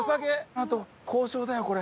あと交渉だよこれ。